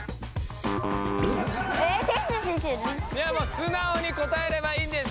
すなおに答えればいいんです。